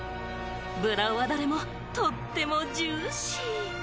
ブドウはどれもとってもジューシー。